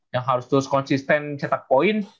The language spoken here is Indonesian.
yang harus terus konsisten cetak poin